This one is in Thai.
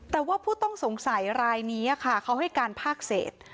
แต่ว่าผู้ต้องสงสัยรายนี้ค่ะเขาให้การภาคเศษ